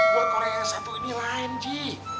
gue korea satu ini lain ji